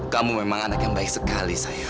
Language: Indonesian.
kamu memang anak yang baik sekali saya